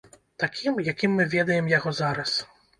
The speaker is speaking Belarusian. Такім, якім мы ведаем яго зараз.